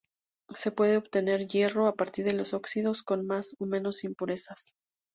Se puede obtener hierro a partir de los óxidos con más o menos impurezas.